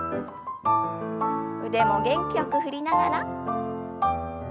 腕も元気よく振りながら。